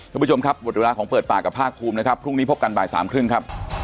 คุณผู้ชมครับหมดเวลาของเปิดปากกับภาคภูมินะครับพรุ่งนี้พบกันบ่ายสามครึ่งครับ